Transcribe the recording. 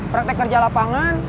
praktek kerja lapangan